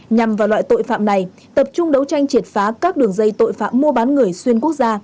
nhằm vào loại tội phạm này tập trung đấu tranh triệt phá các đường dây tội phạm mua bán người xuyên quốc gia